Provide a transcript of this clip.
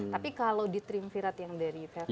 tapi kalau di triumvirat yang dari